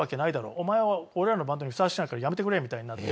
「お前は俺らのバンドにふさわしくないからやめてくれ」みたいになって。